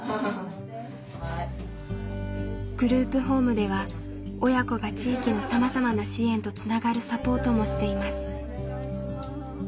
グループホームでは親子が地域のさまざまな支援とつながるサポートもしています。